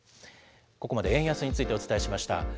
ここまで円安についてお伝えしました。